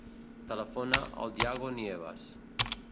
Telefona al Yago Nievas.